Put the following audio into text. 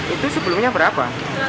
itu sebelumnya berapa